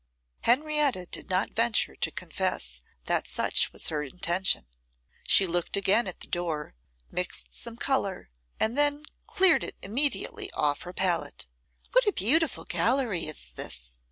Henrietta did not venture to confess that such was her intention. She looked again at the door, mixed some colour, and then cleared it immediately off her palette. 'What a beautiful gallery is this!